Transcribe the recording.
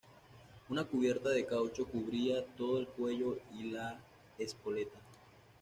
Una cubierta de caucho cubría todo el cuello y la espoleta.